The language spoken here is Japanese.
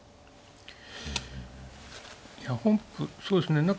そうですね。